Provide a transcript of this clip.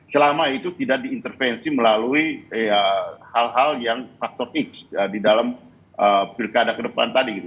selama itu tidak diintervensi melalui hal hal yang faktor x di dalam pilkada ke depan tadi gitu